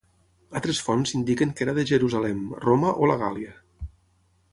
Altres fonts indiquen que era de Jerusalem, Roma o la Gàl·lia.